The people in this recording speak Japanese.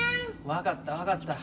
分かった分かった。